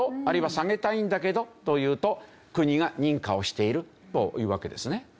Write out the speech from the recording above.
あるいは下げたいんだけどと言うと国が認可をしているというわけですね。